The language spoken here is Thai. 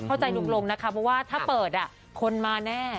เข้าใจลุงลงนะคะเพราะว่าถ้าเปิดคนมาแน่